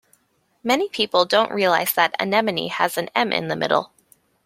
Many people don’t realise that “anemone” has an m in the middle.